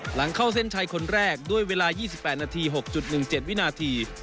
หลังเข้าเส้นชัยคนแรกด้วยเวลา๒๘นาที๖๑๗วินาที